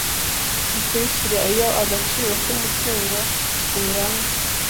bikurikira iyo agaciro k umutungo uburanwa